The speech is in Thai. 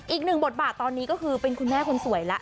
อีกหนึ่งบทบาทตอนนี้ก็คือเป็นคุณแม่คนสวยแล้ว